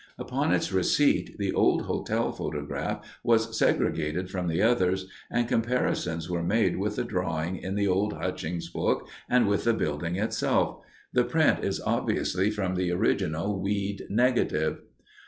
Upon its receipt, the old hotel photograph was segregated from the others, and comparisons were made with the drawing in the old Hutchings book and with the building itself. The print is obviously from the original Weed negative.